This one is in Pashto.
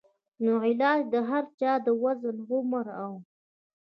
نو علاج د هر چا د وزن ، عمر او